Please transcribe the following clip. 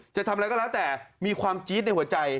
จะทำอะไรก็แล้วแต่มีความจี๊ดในหัวใจ